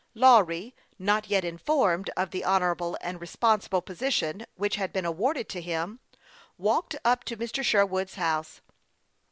Lawry, not yet informed of the honorable and responsible position which had been awarded to him, walked up to Mr. Sherwood's house.